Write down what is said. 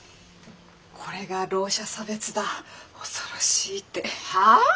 これがろう者差別だ恐ろしいって。はあ！？